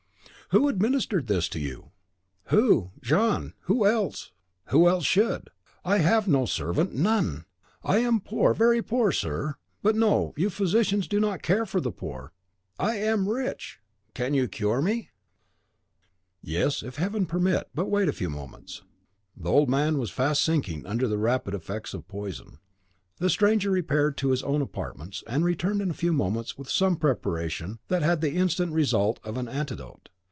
"Who administered this to you?" "Who? Jean! Who else should? I have no servant, none! I am poor, very poor, sir. But no! you physicians do not care for the poor. I AM RICH! can you cure me?" "Yes, if Heaven permit. Wait but a few moments." The old man was fast sinking under the rapid effects of poison. The stranger repaired to his own apartments, and returned in a few moments with some preparation that had the instant result of an antidote.